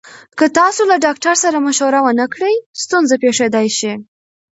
که تاسو له ډاکټر سره مشوره ونکړئ، ستونزه پېښېدای شي.